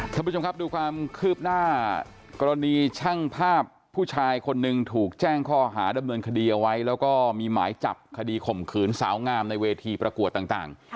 ท่านผู้ชมครับดูความคืบหน้ากรณีช่างภาพผู้ชายคนหนึ่งถูกแจ้งข้อหาดำเนินคดีเอาไว้แล้วก็มีหมายจับคดีข่มขืนสาวงามในเวทีประกวดต่าง